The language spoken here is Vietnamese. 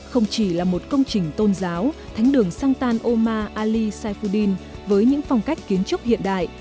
không chỉ là một công trình tôn giáo thánh đường shantan omar ali saifuddin với những phong cách kiến trúc hiện đại